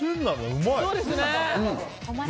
うまい。